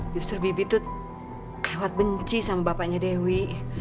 justru bibi itu lewat benci sama bapaknya dewi